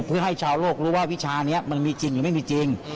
เพื่อให้ชาวโลกรู้ว่าวิชานี้มันมีจริงหรือไม่มีจริง